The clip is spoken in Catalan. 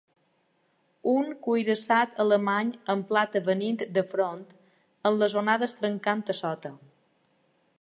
Un cuirassat alemany en plata venint de front, amb les onades trencant a sota.